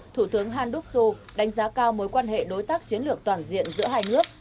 thủ tướng han đắc xu đánh giá cao mối quan hệ đối tác chiến lược toàn diện giữa hai nước